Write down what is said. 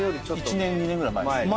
１年２年ぐらい前。